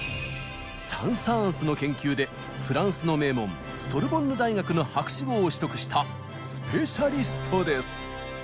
サン・サーンスの研究でフランスの名門ソルボンヌ大学の博士号を取得したスペシャリストです。